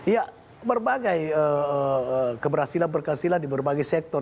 ya berbagai keberhasilan berkehasilan di berbagai sektor